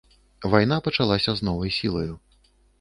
Вайна пачалася з новай сілаю.